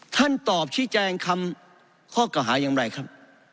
ท่านตอบชี้แจงคำข้อเก่าหาอย่างไรครับ